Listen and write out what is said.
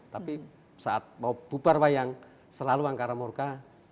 tapi saat mau bubar wayang selalu angkara morka